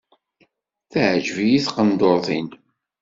Teɛjeb-iyi tqendurt-nnem.